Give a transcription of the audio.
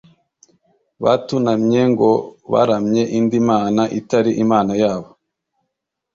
batunamye ngo baramye indi mana itari Imana yabo